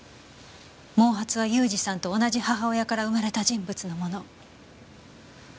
毛髪は雄二さんと同じ母親から生まれた人物のもの。